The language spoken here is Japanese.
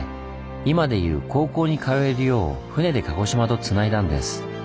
今で言う高校に通えるよう船で鹿児島とつないだんです。